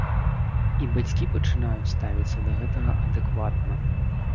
І бацькі пачынаюць ставіцца да гэтага адэкватна.